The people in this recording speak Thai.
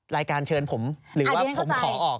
รายการเชิญผมหรือว่าผมขอออก